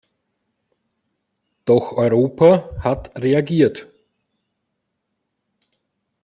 Doch Europa hat reagiert.